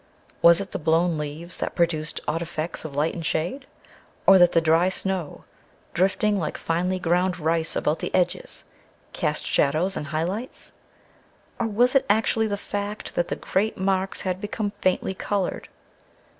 Was it the blown leaves that produced odd effects of light and shade, or that the dry snow, drifting like finely ground rice about the edges, cast shadows and high lights? Or was it actually the fact that the great marks had become faintly colored?